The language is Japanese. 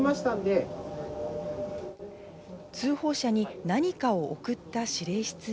通報者に何かを送った指令室員。